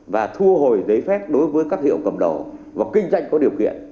và thu hồi giấy phép đối với các hiệu cầm đầu và kinh doanh có điều kiện